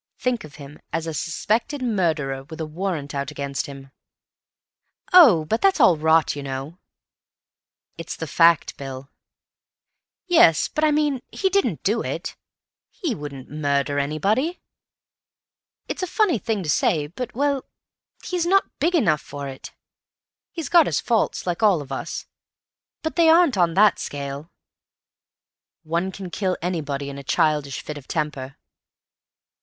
Think of him as a suspected murderer with a warrant out against him." "Oh! but that's all rot, you know." "It's the fact, Bill." "Yes, but I mean, he didn't do it. He wouldn't murder anybody. It's a funny thing to say, but—well, he's not big enough for it. He's got his faults, like all of us, but they aren't on that scale." "One can kill anybody in a childish fit of temper."